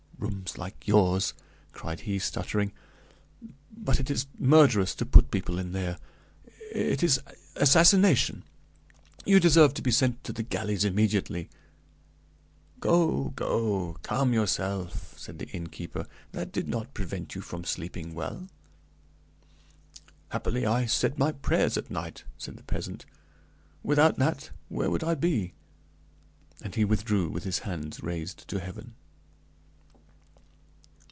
"Rooms like yours!" cried he, stuttering; "but it is murderous to put people there it is assassination! You deserve to be sent to the galleys immediately!" "Go go calm yourself," said the innkeeper; "that did not prevent you from sleeping well." "Happily, I said my prayers at night," said the peasant; "without that, where would I be?" and he withdrew, with his hands raised to heaven.